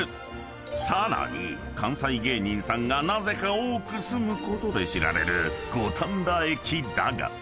［さらに関西芸人さんがなぜか多く住むことで知られる五反田駅だが］